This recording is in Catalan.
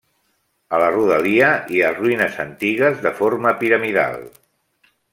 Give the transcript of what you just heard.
A la rodalia hi ha ruïnes antigues de forma piramidal.